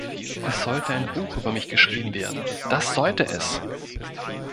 Es sollte ein Buch über mich geschrieben werden, das sollte es!